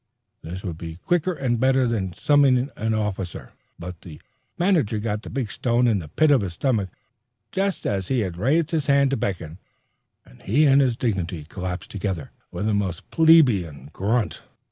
This would be quicker and better than summoning an officer. But the manager got the big stone in the pit of his stomach just as he had raised his hand to beckon, and he and his dignity collapsed together, with a most plebeian grunt.